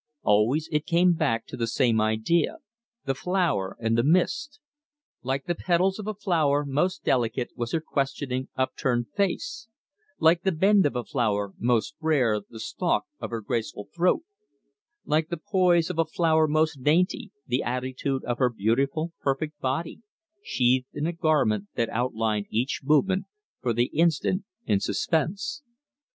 Always it came back to the same idea the flower and the mist. Like the petals of a flower most delicate was her questioning, upturned face; like the bend of a flower most rare the stalk of her graceful throat; like the poise of a flower most dainty the attitude of her beautiful, perfect body sheathed in a garment that outlined each movement, for the instant in suspense.